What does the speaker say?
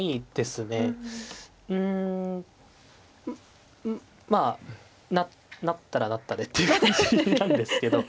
うんまあなったらなったでっていう感じなんですけど。